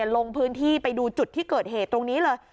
ลงพื้นที่ไปดูจุดที่เกิดเหตุตรงนี้เลย